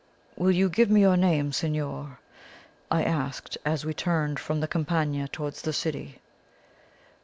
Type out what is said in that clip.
"'Will you give me your name, signor?' I asked, as we turned from the Campagna towards the city.